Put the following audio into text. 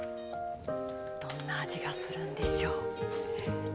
どんな味がするんでしょう。